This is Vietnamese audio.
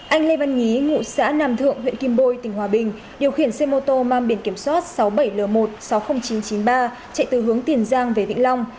anh lê văn nhí ngụ xã nam thượng huyện kim bôi tỉnh hòa bình điều khiển xe mô tô mang biển kiểm soát sáu mươi bảy l một trăm sáu mươi nghìn chín trăm chín mươi ba chạy từ hướng tiền giang về vĩnh long